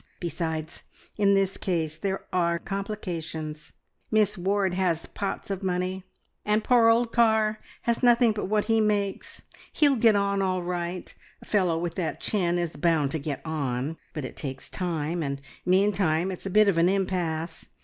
Besides, in this case there are complications. Miss Ward has pots of money, and poor old Carr has nothing but what he makes. He'll get on all right a fellow with that chin is bound to get on but it takes time, and meantime it's a bit of an impasse.